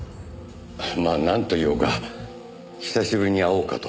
まあなんといおうか久しぶりに会おうかと。